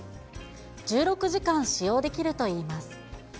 １６時間使用できるといいます。